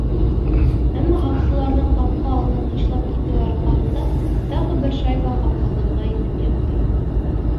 Әммә һаҡсыларҙың ҡапҡа алдын ташлап китеүе арҡаһында тағы бер шайба ҡапҡабыҙға инеп ятты.